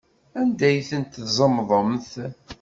Anda ay ten-tzemḍemt?